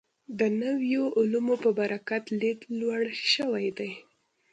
د نویو علومو په برکت لید لوړ شوی دی.